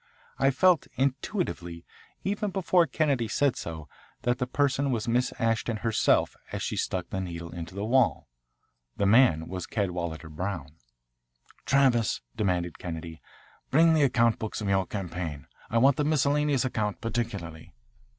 I felt intuitively, even before Kennedy said so, that the person was Miss Ashton herself as she stuck the needle into the wall. The man was Cadwalader Brown. "Travis," demanded Kennedy, "bring the account books of your campaign. I want the miscellaneous account particularly."